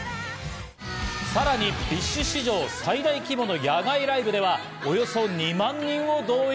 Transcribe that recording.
さらにＢｉＳＨ史上最大規模の野外ライブでは、およそ２万人を動員。